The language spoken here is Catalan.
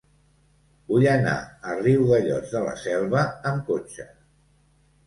Vull anar a Riudellots de la Selva amb cotxe.